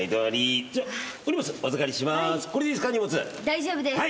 大丈夫です。